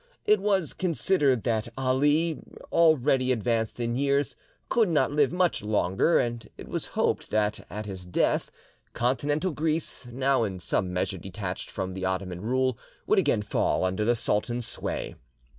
It was considered that Ali, already advanced in years, could not live much longer, and it was hoped that, at his death, Continental Greece, now in some measure detached from the Ottoman rule, would again fall under the sultan's sway.